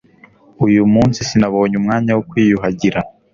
Uyu munsi sinabonye umwanya wo kwiyuhagira